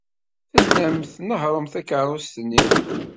Tellamt tnehhṛemt takeṛṛust-nni.